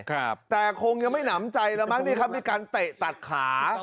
ครับแต่คงยังไม่หนำใจแล้วมั้งนี่ครับมีการเตะตัดขา